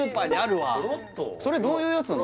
それどういうやつなの？